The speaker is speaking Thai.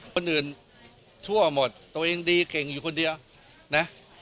คนอื่นชั่วหมดตัวเองดีเก่งอยู่คนเดียวนะ